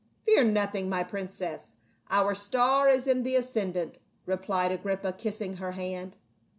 Fear nothing, my princess, our star is in the ascendant," replied Agrippa, kissing her hand.